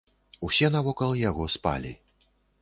Усе навокал яго спалі.